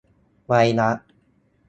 - ไวรัส